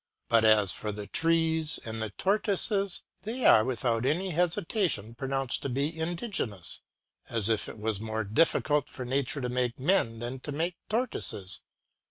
But as for the trees and the tortoises, they are, without any hesitation, pronounced to be indigenous; as if it was more difficult for Nature to make men than to make tortoises.